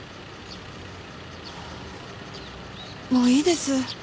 もういいです。